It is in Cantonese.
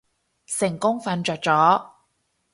成功瞓着咗